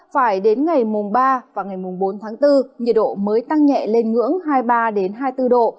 phải đến ngày mùng ba và ngày mùng bốn tháng bốn nhiệt độ mới tăng nhẹ lên ngưỡng hai mươi ba hai mươi bốn độ